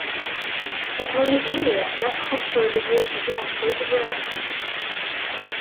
Святлолюбівыя, засухаўстойлівыя і зімаўстойлівыя расліны.